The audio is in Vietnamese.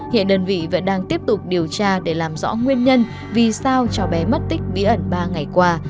hiện đơn vị vẫn đang tiếp tục điều tra để làm rõ nguyên nhân vì sao cho bé mất tích bí ẩn ba ngày qua